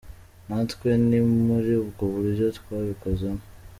Natwe ni muri ubwo buryo twabikozemo.